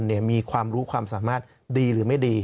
มีความรู้ความสามารถดีหรือไม่ดี